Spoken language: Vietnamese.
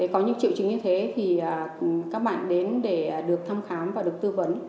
có những triệu chứng như thế thì các bạn đến để được thăm khám và được tư vấn